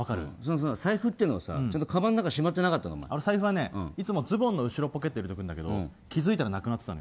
財布っていうのはかばんの中に財布はね、いつもズボンの後ろのポケットに入れておくんだけど気づいたらなくなってたの。